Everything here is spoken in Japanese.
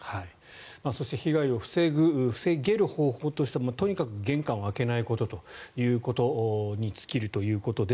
そして被害を防ぐ防げる方法としてとにかく玄関を開けないことということに尽きるということです。